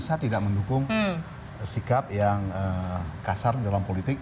saya tidak mendukung sikap yang kasar dalam politik